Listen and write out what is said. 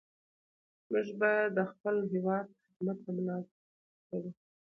موږ باید د خپل هېواد خدمت ته ملا وتړو.